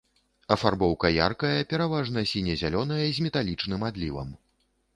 Афарбоўка яркая, пераважна сіне-зялёная, з металічным адлівам.